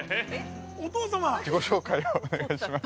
自己紹介をお願いします。